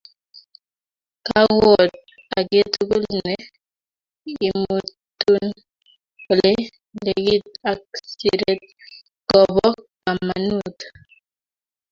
Kakuout age tugul ne imutun ole lekit ak siret kopo kamanut